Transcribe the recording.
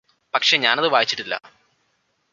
പക്ഷെ ഞാനത് വായിച്ചിട്ടില്ലാ